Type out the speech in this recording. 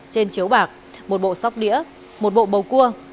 trên chiếu bạc một bộ sóc đĩa một bộ bầu cua